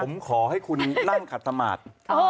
ผมขอให้คุณนั่งขัดสมาธิ